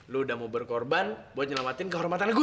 lu udah mau berkorban buat nyelamatin kehormatan gue